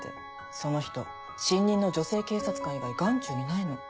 その人新任の女性警察官以外眼中にないの。